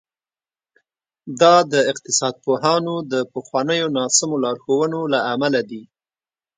دا د اقتصاد پوهانو د پخوانیو ناسمو لارښوونو له امله دي.